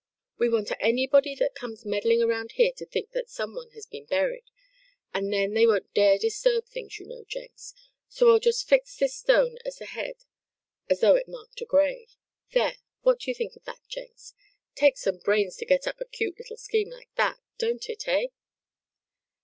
"We want anybody that comes meddling around here to think that some one has been buried, and then they won't dare disturb things, you know, Jenks. So I'll just fix this stone at the head as though it marked a grave. There, what do you think of that, Jenks? Takes some brains to get up a cute little scheme like that, don't it, eh?"